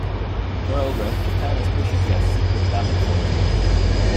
Moreover, Japan is pushing to have secret ballot voting.